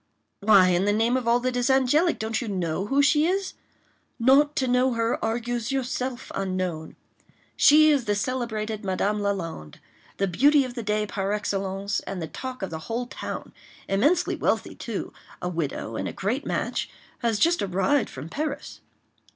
"Why, in the name of all that is angelic, don't you know who she is? 'Not to know her argues yourself unknown.' She is the celebrated Madame Lalande—the beauty of the day par excellence, and the talk of the whole town. Immensely wealthy too—a widow, and a great match—has just arrived from Paris."